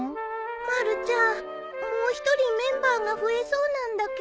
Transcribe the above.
まるちゃんもう１人メンバーが増えそうなんだけど。